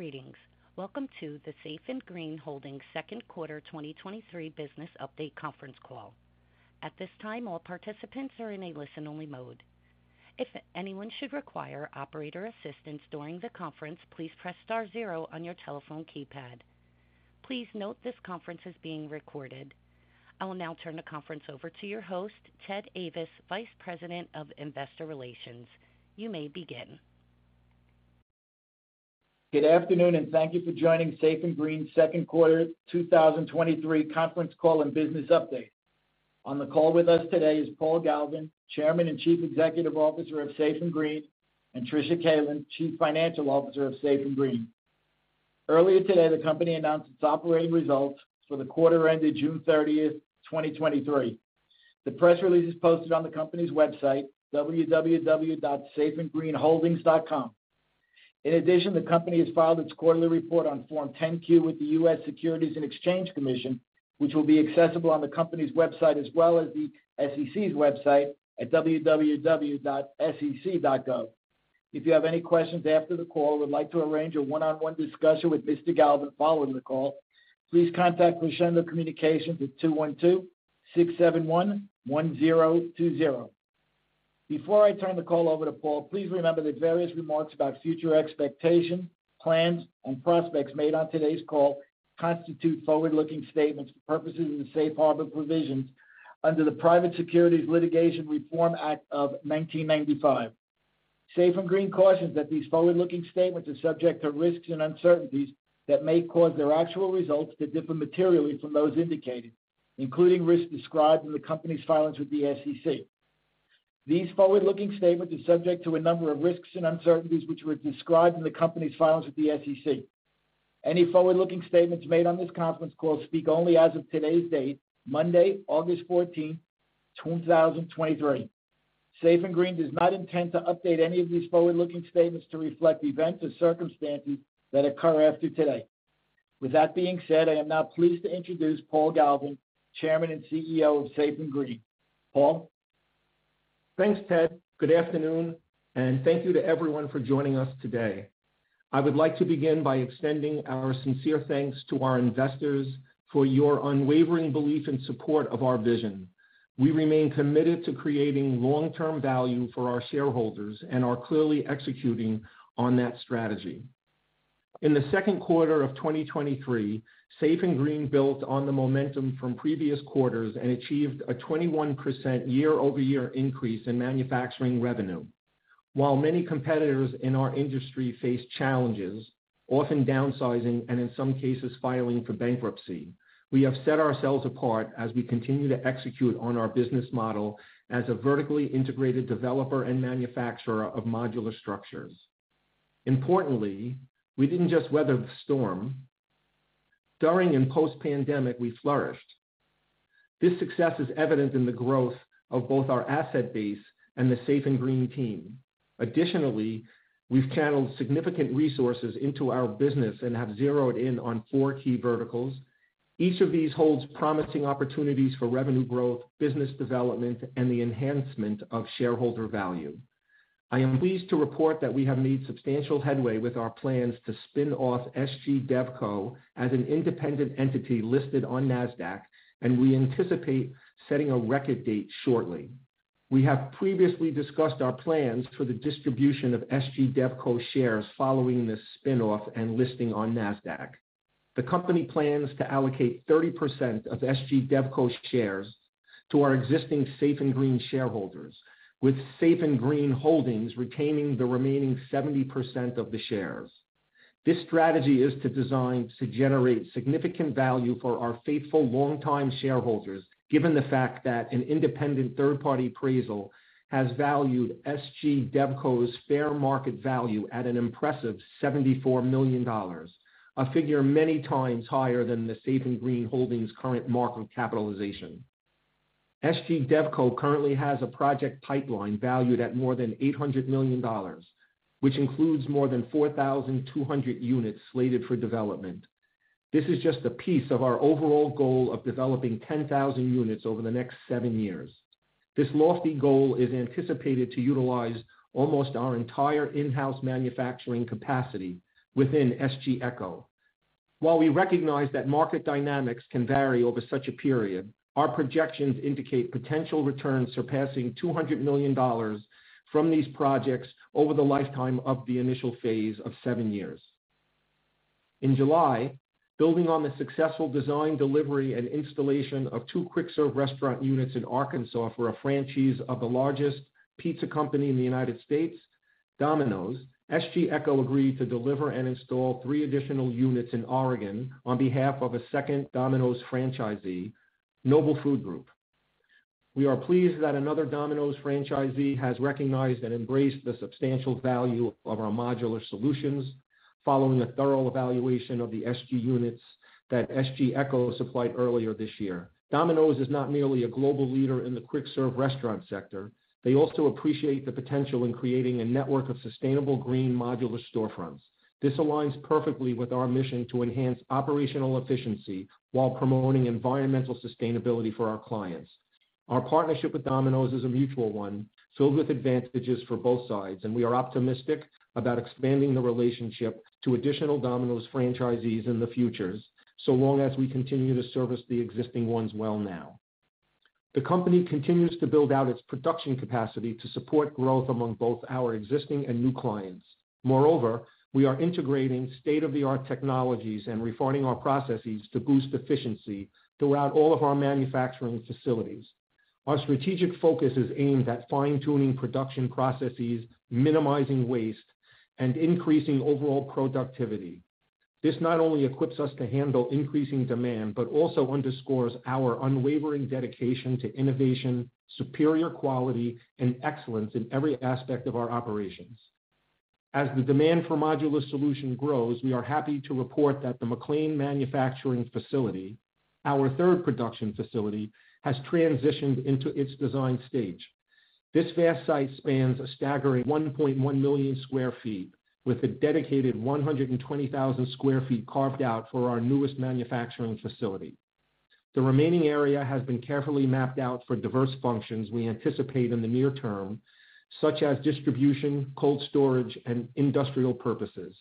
Greetings. Welcome to the Safe & Green Holdings Q2 2023 Business Update conference call. At this time, all participants are in a listen-only mode. If anyone should require operator assistance during the conference, please press star zero on your telephone keypad. Please note this conference is being recorded. I will now turn the conference over to your host, Ted Ayvas, Vice President of Investor Relations. You may begin. Good afternoon, and thank you for joining Safe & Green's Q2 2023 conference call and business update. On the call with us today is Paul Galvin, Chairman and Chief Executive Officer of Safe & Green, and Tricia Kaelin, Chief Financial Officer of Safe & Green. Earlier today, the company announced its operating results for the quarter ended June 30th, 2023. The press release is posted on the company's website, www.safeandgreenholdings.com. In addition, the company has filed its quarterly report on Form 10-Q with the U.S. Securities and Exchange Commission, which will be accessible on the company's website, as well as the SEC's website at www.sec.gov. If you have any questions after the call or would like to arrange a one-on-one discussion with Mr. Galvin following the call, please contact Crescendo Communications at 212-671-1020. Before I turn the call over to Paul, please remember that various remarks about future expectations, plans, and prospects made on today's call constitute forward-looking statements for purposes of the safe harbor provisions under the Private Securities Litigation Reform Act of 1995. Safe & Green cautions that these forward-looking statements are subject to risks and uncertainties that may cause their actual results to differ materially from those indicated, including risks described in the company's filings with the SEC. These forward-looking statements are subject to a number of risks and uncertainties, which were described in the company's filings with the SEC. Any forward-looking statements made on this conference call speak only as of today's date, Monday, August 14th, 2023. Safe & Green does not intend to update any of these forward-looking statements to reflect events or circumstances that occur after today. With that being said, I am now pleased to introduce Paul Galvin, Chairman and CEO of Safe & Green. Paul? Thanks, Ted. Good afternoon, and thank you to everyone for joining us today. I would like to begin by extending our sincere thanks to our investors for your unwavering belief and support of our vision. We remain committed to creating long-term value for our shareholders and are clearly executing on that strategy. In the Q2 of 2023, Safe & Green built on the momentum from previous quarters and achieved a 21% year-over-year increase in manufacturing revenue. While many competitors in our industry face challenges, often downsizing and in some cases filing for bankruptcy, we have set ourselves apart as we continue to execute on our business model as a vertically integrated developer and manufacturer of modular structures. Importantly, we didn't just weather the storm. During and post-pandemic, we flourished. This success is evident in the growth of both our asset base and the Safe & Green team. Additionally, we've channeled significant resources into our business and have zeroed in on 4 key verticals. Each of these holds promising opportunities for revenue growth, business development, and the enhancement of shareholder value. I am pleased to report that we have made substantial headway with our plans to spin off SG DevCo as an independent entity listed on NASDAQ, and we anticipate setting a record date shortly. We have previously discussed our plans for the distribution of SG DevCo shares following this spin-off and listing on NASDAQ. The company plans to allocate 30% of SG DevCo's shares to our existing Safe & Green shareholders, with Safe & Green Holdings retaining the remaining 70% of the shares. This strategy is to design to generate significant value for our faithful longtime shareholders, given the fact that an independent third-party appraisal has valued SG DevCo's fair market value at an impressive $74 million, a figure many times higher than the Safe & Green Holdings' current market capitalization. SG DevCo currently has a project pipeline valued at more than $800 million, which includes more than 4,200 units slated for development. This is just a piece of our overall goal of developing 10,000 units over the next seven years. This lofty goal is anticipated to utilize almost our entire in-house manufacturing capacity within SG Echo. While we recognize that market dynamics can vary over such a period, our projections indicate potential returns surpassing $200 million from these projects over the lifetime of the initial phase of seven years. In July, building on the successful design, delivery, and installation of 2 quick-serve restaurant units in Arkansas for a franchise of the largest pizza company in the United States, Domino's, SG Echo agreed to deliver and install 3 additional units in Oregon on behalf of a second Domino's franchisee, Noble Food Group. We are pleased that another Domino's franchisee has recognized and embraced the substantial value of our modular solutions, following a thorough evaluation of the SG units that SG Echo supplied earlier this year. Domino's is not merely a global leader in the quick-serve restaurant sector. They also appreciate the potential in creating a network of sustainable green modular storefronts. This aligns perfectly with our mission to enhance operational efficiency while promoting environmental sustainability for our clients.... Our partnership with Domino's is a mutual one, filled with advantages for both sides, and we are optimistic about expanding the relationship to additional Domino's franchisees in the futures, so long as we continue to service the existing ones well now. The company continues to build out its production capacity to support growth among both our existing and new clients. Moreover, we are integrating state-of-the-art technologies and refining our processes to boost efficiency throughout all of our manufacturing facilities. Our strategic focus is aimed at fine-tuning production processes, minimizing waste, and increasing overall productivity. This not only equips us to handle increasing demand, but also underscores our unwavering dedication to innovation, superior quality, and excellence in every aspect of our operations. As the demand for modular solution grows, we are happy to report that the McLean manufacturing facility, our third production facility, has transitioned into its design stage. This vast site spans a staggering 1.1 million sq ft, with a dedicated 120,000 sq ft carved out for our newest manufacturing facility. The remaining area has been carefully mapped out for diverse functions we anticipate in the near term, such as distribution, cold storage, and industrial purposes.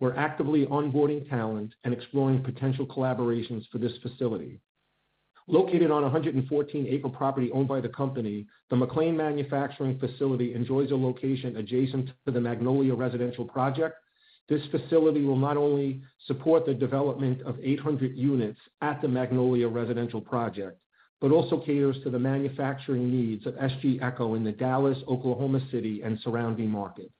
We're actively onboarding talent and exploring potential collaborations for this facility. Located on a 114 acre property owned by the company, the McLean manufacturing facility enjoys a location adjacent to the Magnolia Residential Project. This facility will not only support the development of 800 units at the Magnolia Residential Project, but also caters to the manufacturing needs of SG Echo in the Dallas, Oklahoma City, and surrounding markets.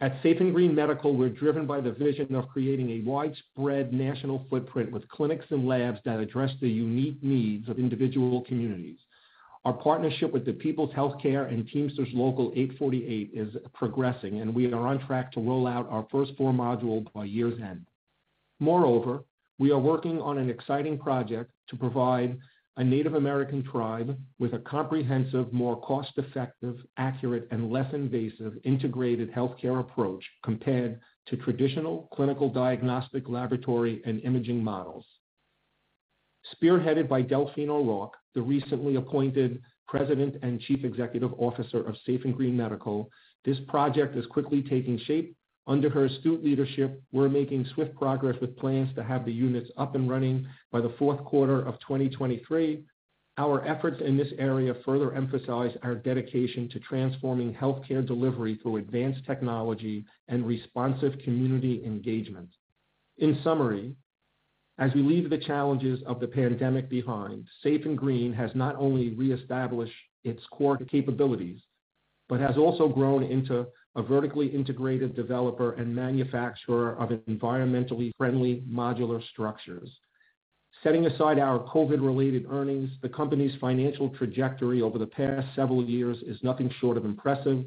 At Safe & Green Medical, we're driven by the vision of creating a widespread national footprint with clinics and labs that address the unique needs of individual communities. Our partnership with The People's Health Care and Teamsters Local 848 is progressing, and we are on track to roll out our first four modules by year's end. Moreover, we are working on an exciting project to provide a Native American tribe with a comprehensive, more cost-effective, accurate, and less invasive integrated healthcare approach compared to traditional clinical diagnostic, laboratory, and imaging models. Spearheaded by Delphine O'Rourke, the recently appointed President and Chief Executive Officer of Safe & Green Medical, this project is quickly taking shape. Under her astute leadership, we're making swift progress with plans to have the units up and running by the Q4 of 2023. Our efforts in this area further emphasize our dedication to transforming healthcare delivery through advanced technology and responsive community engagement. In summary, as we leave the challenges of the pandemic behind, Safe & Green has not only reestablished its core capabilities, but has also grown into a vertically integrated developer and manufacturer of environmentally friendly modular structures. Setting aside our COVID-related earnings, the company's financial trajectory over the past several years is nothing short of impressive.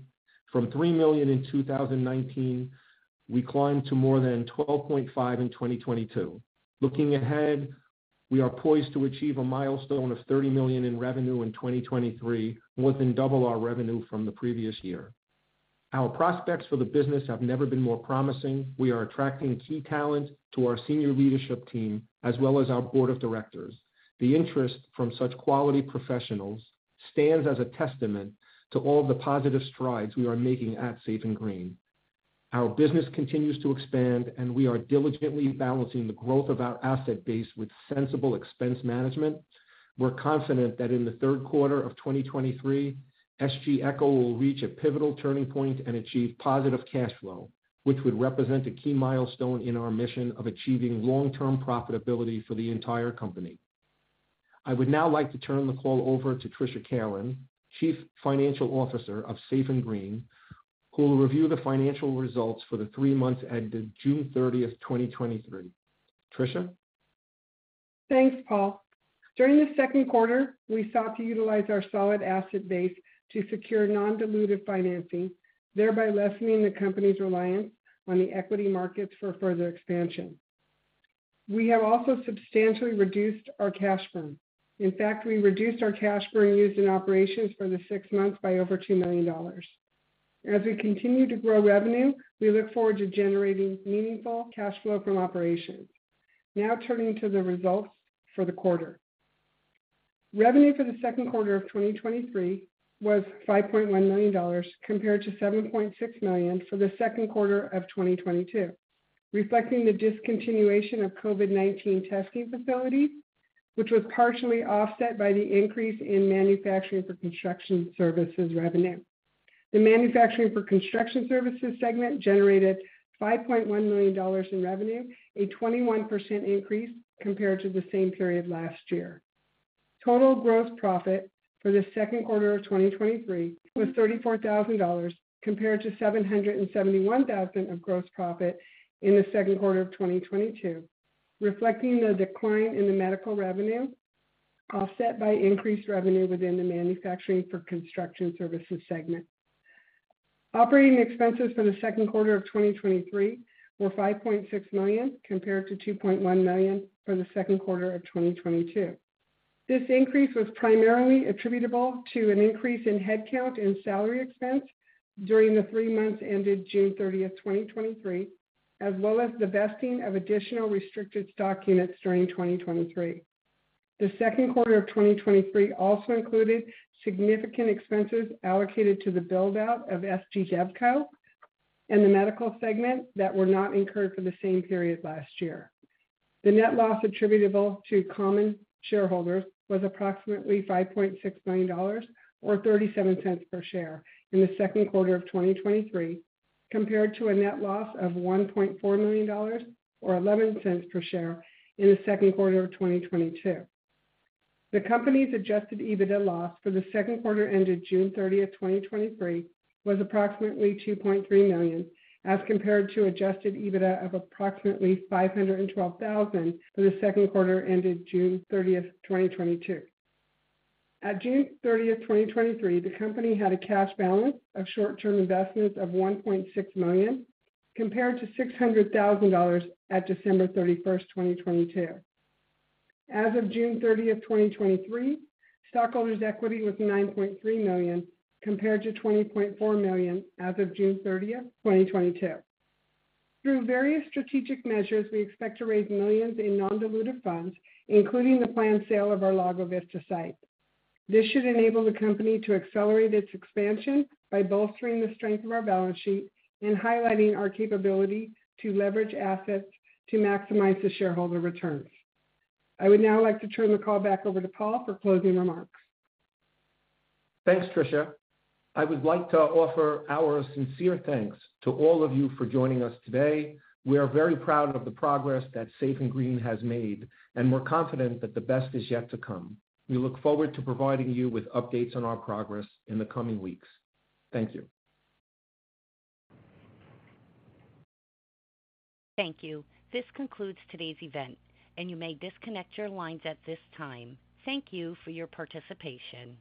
From $3 million in 2019, we climbed to more than $12.5 million in 2022. Looking ahead, we are poised to achieve a milestone of $30 million in revenue in 2023, more than double our revenue from the previous year. Our prospects for the business have never been more promising. We are attracting key talent to our senior leadership team, as well as our board of directors. The interest from such quality professionals stands as a testament to all the positive strides we are making at Safe & Green. Our business continues to expand, we are diligently balancing the growth of our asset base with sensible expense management. We're confident that in the Q3 of 2023, SG Echo will reach a pivotal turning point and achieve positive cash flow, which would represent a key milestone in our mission of achieving long-term profitability for the entire company. I would now like to turn the call over to Tricia Kaelin, Chief Financial Officer of Safe & Green, who will review the financial results for the 3 months ended June 30th, 2023. Tricia? Thanks, Paul. During the Q2, we sought to utilize our solid asset base to secure non-dilutive financing, thereby lessening the company's reliance on the equity markets for further expansion. We have also substantially reduced our cash burn. In fact, we reduced our cash burn used in operations for the six months by over $2 million. As we continue to grow revenue, we look forward to generating meaningful cash flow from operations. Now, turning to the results for the quarter. Revenue for the Q2 of 2023 was $5.1 million, compared to $7.6 million for the Q2 of 2022, reflecting the discontinuation of COVID-19 testing facilities, which was partially offset by the increase in manufacturing for construction services revenue. The manufacturing for construction services segment generated $5.1 million in revenue, a 21% increase compared to the same period last year. Total gross profit for the Q2 of 2023 was $34,000, compared to $771,000 of gross profit in the Q2 of 2022, reflecting the decline in the medical revenue, offset by increased revenue within the manufacturing for construction services segment. Operating expenses for the Q2 of 2023 were $5.6 million, compared to $2.1 million for the Q2 of 2022. This increase was primarily attributable to an increase in headcount and salary expense during the three months ended June 30th, 2023, as well as the vesting of additional restricted stock units during 2023. The Q2 of 2023 also included significant expenses allocated to the build-out of SG DevCo and the medical segment that were not incurred for the same period last year. The net loss attributable to common shareholders was approximately $5.6 million, or $0.37 per share, in the Q2 of 2023, compared to a net loss of $1.4 million, or $0.11 per share, in the Q2 of 2022. The company's adjusted EBITDA loss for the Q2 ended June 30, 2023, was approximately $2.3 million, as compared to adjusted EBITDA of approximately $512,000 for the Q2 ended June 30th, 2022. At June 30, 2023, the company had a cash balance of short-term investments of $1.6 million, compared to $600,000 at December 31st, 2022. As of June 30th, 2023, stockholders' equity was $9.3 million, compared to $20.4 million as of June 30th, 2022. Through various strategic measures, we expect to raise millions in non-dilutive funds, including the planned sale of our Lago Vista site. This should enable the company to accelerate its expansion by bolstering the strength of our balance sheet and highlighting our capability to leverage assets to maximize the shareholder returns. I would now like to turn the call back over to Paul for closing remarks. Thanks, Tricia. I would like to offer our sincere thanks to all of you for joining us today. We are very proud of the progress that Safe & Green has made, and we're confident that the best is yet to come. We look forward to providing you with updates on our progress in the coming weeks. Thank you. Thank you. This concludes today's event, and you may disconnect your lines at this time. Thank you for your participation.